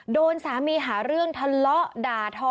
โดนสามีหาเรื่องทะเลาะด่าทอ